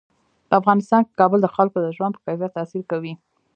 په افغانستان کې کابل د خلکو د ژوند په کیفیت تاثیر کوي.